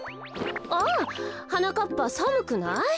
あはなかっぱさむくない？